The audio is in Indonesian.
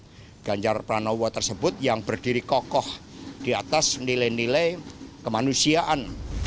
dan bapak ganjar pranowo tersebut yang berdiri kokoh di atas nilai nilai kemanusiaan